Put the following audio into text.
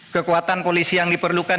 kekuatan polisi yang diperlukan